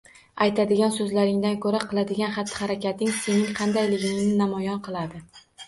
Aytadigan so‘zlaringdan ko‘ra qiladigan xatti-harakating sening qandayligingni namoyon qiladi.